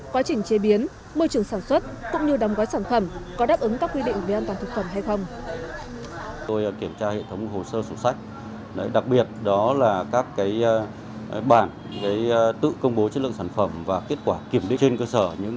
quá trình chế biến môi trường sản xuất cũng như đóng gói sản phẩm có đáp ứng các quy định về an toàn thực phẩm hay không